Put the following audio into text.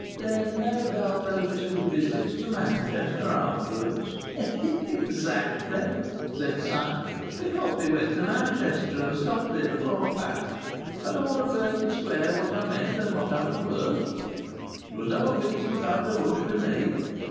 "Then no doubt those two visits to Manchester, afterwards " "Exactly," said Si. "Th' company went to Manchester and stopped there a fortnight. I told her fair and square what I meant and what I was worth. There was no beating about the bush wi' me.